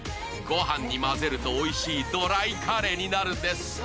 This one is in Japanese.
御飯に混ぜるとおいしいドライカレーになるんです。